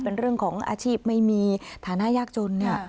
เป็นเรื่องของอาชีพไม่มีฐานะยากจนเนี่ย